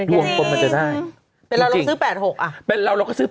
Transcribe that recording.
ดวงคนมันจะได้จริงเป็นเราเราก็ซื้อ๘๖อะ